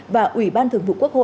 và ủy ban thường vụ quốc hội